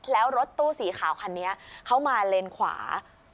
แล้วรถตู้สีขาวคันนี้เขามาเลนขวา